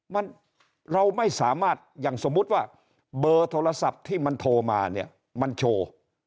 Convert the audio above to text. มันเราไม่สามารถอย่างสมมุติว่าเบอร์โทรศัพท์ที่มันโทรมาเนี่ยมันโชว์